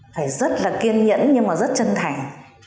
phải rất là kiên nhẫn nhưng mà rất chân thành